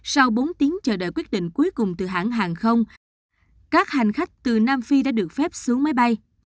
sau bốn tiếng chờ đợi quyết định cuối cùng từ hãng hàng không các hành khách từ nam phi đã được phép xuống máy bay